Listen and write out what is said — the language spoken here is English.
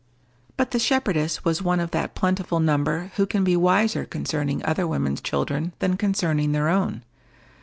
But the shepherdess was one of that plentiful number who can be wiser concerning other women's children than concerning their own.